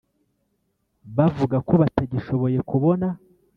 bavuga ko batagishoboye kubona.